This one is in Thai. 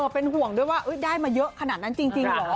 เป็นห่วงด้วยว่าได้มาเยอะขนาดนั้นจริงเหรอ